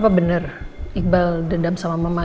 apa benar iqbal dendam sama mama